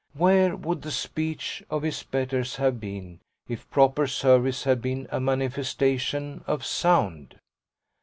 Where would the speech of his betters have been if proper service had been a manifestation of sound?